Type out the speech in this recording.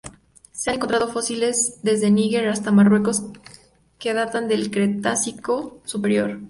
Se han encontrado fósiles desde Níger hasta Marruecos que datan del Cretácico Superior.